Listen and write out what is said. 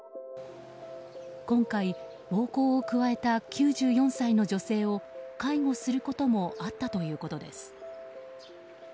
今回暴行を加えた９４歳の女性を介護することもあったということです。